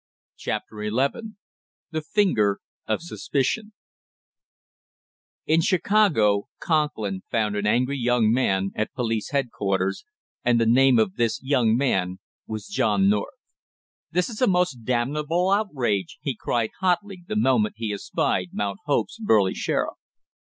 CHAPTER ELEVEN THE FINGER OF SUSPICION In Chicago Conklin found an angry young man at police headquarters, and the name of this young man was John North. "This is a most damnable outrage!" he cried hotly the moment he espied Mount Hope's burly sheriff.